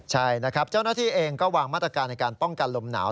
ใช่นะครับเจ้าหน้าที่เองก็วางมาตรการในการป้องกันลมหนาว